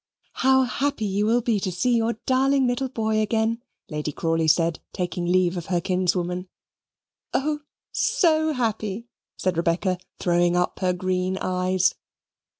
"How happy you will be to see your darling little boy again!" Lady Crawley said, taking leave of her kinswoman. "Oh so happy!" said Rebecca, throwing up the green eyes.